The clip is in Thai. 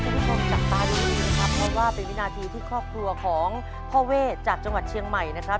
คุณผู้ชมจับตาดูอยู่นะครับเพราะว่าเป็นวินาทีที่ครอบครัวของพ่อเวทจากจังหวัดเชียงใหม่นะครับ